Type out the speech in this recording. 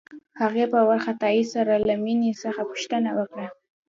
هغې په وارخطايۍ سره له مينې څخه پوښتنه وکړه.